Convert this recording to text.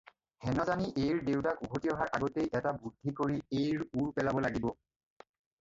হেনজানি এইৰ দেউতাক উভতি অহাৰ আগতেই এটা বুধি কৰি এইৰ ওৰ পেলাব লাগিব।